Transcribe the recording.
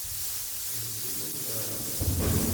Kemm seg Ustṛalya?